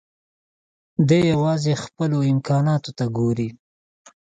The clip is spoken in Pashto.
دی يوازې خپلو امکاناتو ته ګوري.